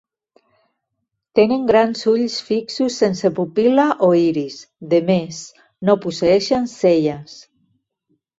Tenen grans ulls fixos sense pupil·la o iris, de més, no posseeixen celles.